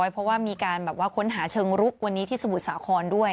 เพราะว่ามีการแบบว่าค้นหาเชิงลุกวันนี้ที่สมุทรสาครด้วย